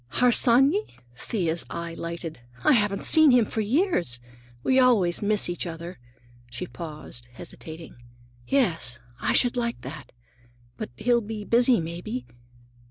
"Harsanyi?" Thea's eye lighted. "I haven't seen him for years. We always miss each other." She paused, hesitating. "Yes, I should like that. But he'll be busy, maybe?"